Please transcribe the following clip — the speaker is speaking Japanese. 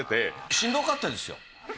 しんどかったですよ。